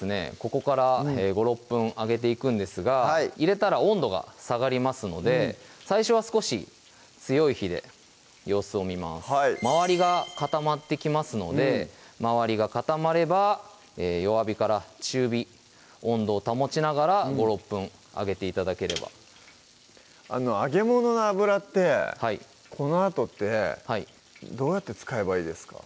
ここから５６分揚げていくんですが入れたら温度が下がりますので最初は少し強い火で様子を見ます周りが固まってきますので周りが固まれば弱火中火温度を保ちながら５６分揚げて頂ければ揚げものの油ってこのあとってどうやって使えばいいですか？